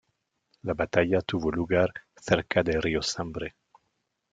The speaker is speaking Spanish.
La batalla tuvo lugar cerca del río Sambre.